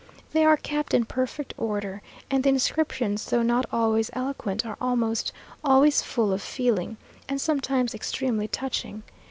They are kept in perfect order, and the inscriptions, though not always eloquent, are almost always full of feeling, and sometimes extremely touching.